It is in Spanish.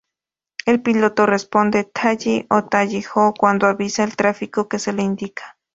El piloto responde "Tally" o "Tally-ho" cuando avista el tráfico que se le indica.